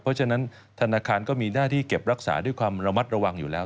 เพราะฉะนั้นธนาคารก็มีหน้าที่เก็บรักษาด้วยความระมัดระวังอยู่แล้ว